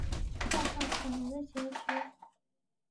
害怕可能的结局